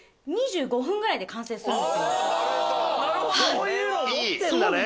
そういうのを持ってんだね！